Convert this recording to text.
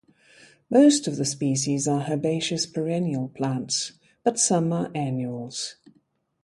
Most of the species are herbaceous perennial plants, but some are annuals.